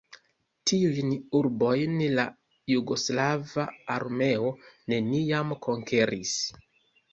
Tiujn urbojn la jugoslava armeo neniam konkeris.